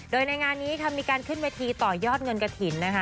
โดยในงานนี้ค่ะมีการขึ้นเวทีต่อยอดเงินกระถิ่นนะคะ